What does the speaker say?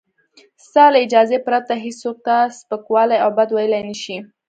ستا له اجازې پرته هېڅوک تا سپکولای او بد ویلای نشي.